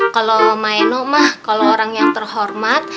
kalo maenok mah kalo orang yang terhormat